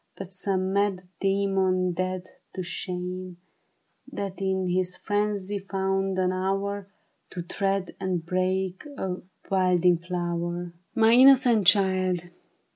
But some mad demon dead to shame. That in his frenzy found an hour To tread and break a wilding flower : THE BARRICADE. 1 1^ My innocent child